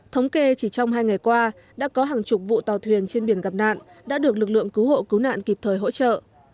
thống kê chỉ trong hai ngày qua đã có hàng chục vụ tàu thuyền trên biển gặp nạn đã được lực lượng cứu hộ cứu nạn kịp thời hỗ trợ